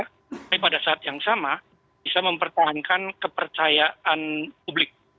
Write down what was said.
tapi pada saat yang sama bisa mempertahankan kepercayaan publik